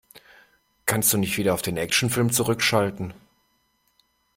Kannst du nicht wieder auf den Actionfilm zurückschalten?